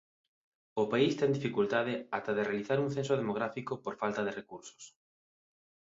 O país ten dificultade ata de realizar un Censo Demográfico por falta de recursos.